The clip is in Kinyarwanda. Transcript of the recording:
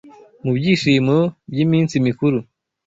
mubyishimo byiminsi mikuru